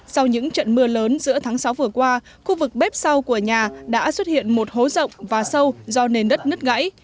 sau những trận mưa lớn giữa tháng sáu vừa qua khu vực bếp sau của nhà đã xuất hiện một hố rộng và sâu do nền đất nứt gãy